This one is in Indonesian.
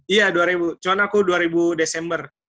iya dua ribu cuma aku dua ribu desember